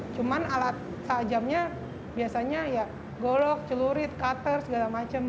cuman alat seajamnya biasanya ya golok celurit kater segala macem